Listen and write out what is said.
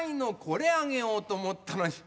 これあげようとおもったのに。